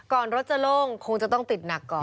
ก่อนรถจะลงคงจะต้องติดหนักก่อน